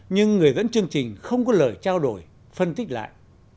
nhưng người dẫn chương trình không có lời trao đổi phân tích lại